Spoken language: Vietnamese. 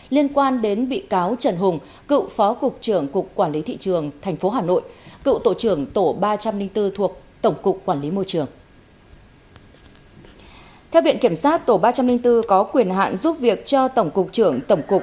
liên quan đến bị cáo trần hùng cựu phó cục trưởng cục quản lý thị trường